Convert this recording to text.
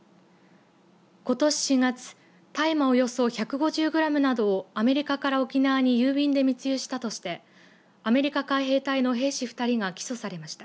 ことし４月大麻およそ１５０グラムなどをアメリカから沖縄に郵便で密輸したとしてアメリカ海兵隊の兵士２人が起訴されました。